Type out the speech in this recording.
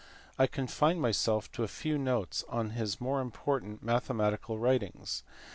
I confine myself to a few notes on his more important mathematical writings.